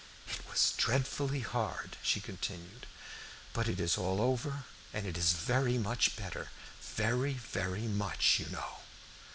"It was dreadfully hard," she continued; "but it is all over, and it is very much better very, very much, you know."